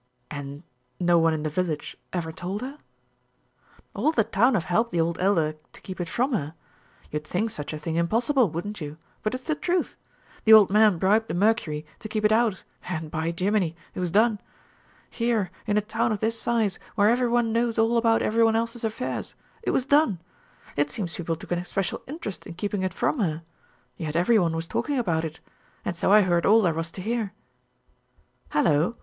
"And no one in the village ever told her?" "All the town have helped the old Elder to keep it from her. You'd think such a thing impossible, wouldn't you? But it's the truth. The old man bribed the Mercury to keep it out, and, by jiminy, it was done! Here, in a town of this size where every one knows all about every one else's affairs it was done! It seems people took an especial interest in keeping it from her, yet every one was talking about it, and so I heard all there was to hear. Hallo!